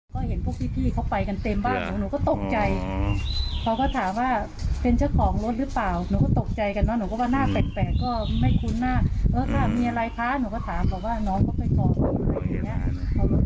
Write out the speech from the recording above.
ก็เห็นพวกพี่เขาไปกันเต็มบ้านหนูหนูก็ตกใจเขาก็ถามว่าเป็นเจ้าของรถหรือเปล่าหนูก็ตกใจกันเนอะหนูก็ว่าหน้าแปลกก็ไม่คุ้นหน้าเออถ้ามีอะไรคะหนูก็ถามเขาว่าน้องเขาไปก่อนอย่างนี้